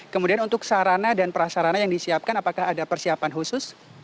kemudian untuk sarana dan prasarana yang disiapkan apakah ada persiapan khusus